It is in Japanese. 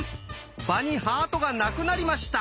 場にハートがなくなりました。